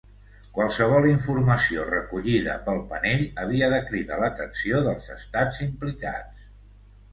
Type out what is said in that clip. Qualsevol informació recollida pel panell havia de cridar l'atenció dels estats implicats.